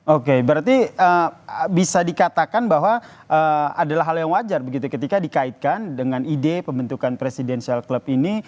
oke berarti bisa dikatakan bahwa adalah hal yang wajar begitu ketika dikaitkan dengan ide pembentukan presidensial club ini